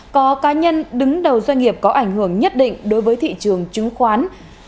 có cá nhân đứng đầu doanh nghiệp có ảnh hưởng nhất định đối với thị trường chứng khoán